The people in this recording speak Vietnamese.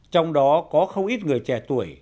trong đó có không ít người trẻ tuổi